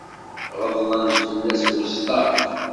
Γeḍlen-d fell-as buseṭṭaf.